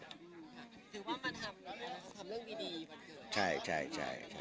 ถือว่ามาทำแล้วเนี่ยเขาทำเรื่องดีดีวันเกิดใช่ใช่